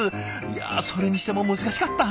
いやそれにしても難しかった。